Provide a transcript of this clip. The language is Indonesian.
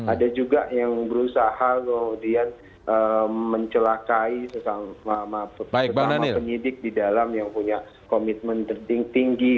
ada juga yang berusaha kemudian mencelakai sesama penyidik di dalam yang punya komitmen tertinggi